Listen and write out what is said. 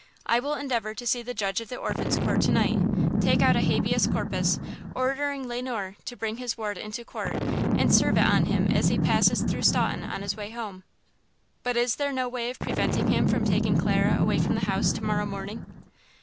I will endeavor to see the Judge of the Orphans' Court to night, take out a habeas corpus, ordering Le Noir to bring his ward into court, and serve it on him as he passes through Staunton on his way home." "But is there no way of preventing him from taking Clara away from the house to morrow morning."